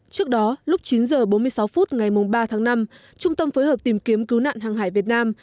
trước đó lúc chín h bốn mươi sáu phút ngày ba tháng năm trung tâm phối hợp tìm kiếm cứu nạn hàng hải việt nam